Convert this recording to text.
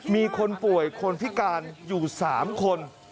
มีคนป่วยคนพิการอยู่๓คน